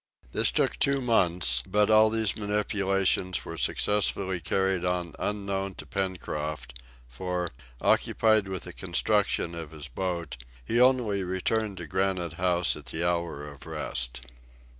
This took two months; but all these manipulations were successfully carried on unknown to Pencroft, for, occupied with the construction of his boat, he only returned to Granite House at the hour of rest.